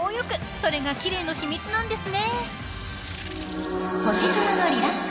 ［それが奇麗の秘密なんですね］